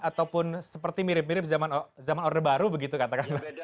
ataupun seperti mirip mirip zaman orde baru begitu katakanlah